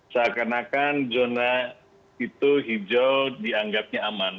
seakan akan zona itu hijau dianggapnya aman